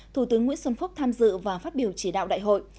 thủ tướng nguyễn xuân phúc tham dự và phát biểu chỉ đạo đại hội